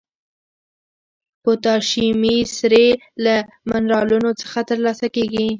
پوتاشیمي سرې له منرالونو څخه لاس ته راوړي.